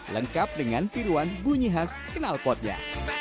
lengkap dengan tiruan bunyi khas kenalpotnya